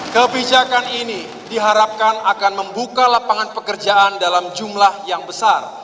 kebijakan ini diharapkan akan membuka lapangan pekerjaan dalam jumlah yang besar